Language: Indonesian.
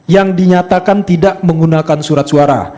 yang dinyatakan tidak menggunakan surat suara